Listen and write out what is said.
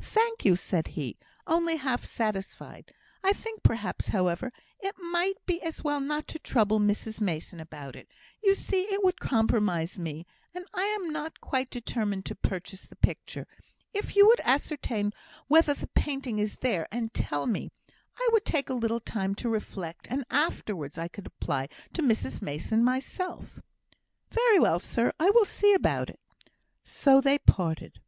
"Thank you," said he, only half satisfied; "I think perhaps, however, it might be as well not to trouble Mrs Mason about it; you see, it would compromise me, and I am not quite determined to purchase the picture; if you would ascertain whether the painting is there, and tell me, I would take a little time to reflect, and afterwards I could apply to Mrs Mason myself." "Very well, sir; I will see about it." So they parted.